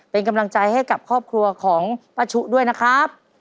เป็นกำลังใจให้กับครอบครัวของป้าชุด้วยนะครับ